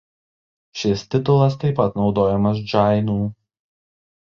Šis titulas taip pat naudojamas džainų.